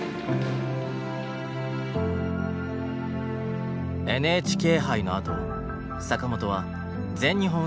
ＮＨＫ杯のあと坂本は全日本選手権で優勝。